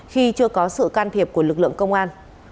khi chưa có sự can thiệp của lực lượng công an